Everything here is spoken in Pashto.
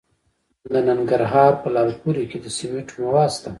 د ننګرهار په لعل پورې کې د سمنټو مواد شته.